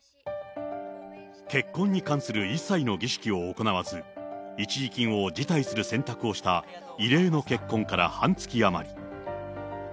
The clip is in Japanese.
結婚に関する一切の儀式を行わず、一時金を辞退する選択をした異例の結婚から半月余り。